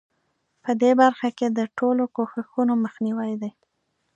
په دې برخه کې د ټولو کوښښونو مخنیوی دی.